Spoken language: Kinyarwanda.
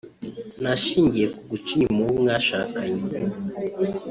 ni ashingiye ku guca inyuma uwo mwashakanye